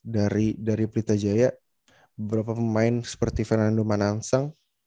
dari pelita jaya beberapa pemain seperti fernando mananseng